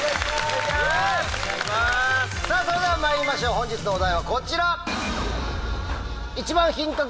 それではまいりましょう本日のお題はこちら！